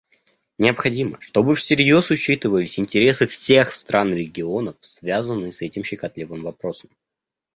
Необходимо, чтобы всерьез учитывались интересы всех стран и регионов, связанные с этим щекотливым вопросом.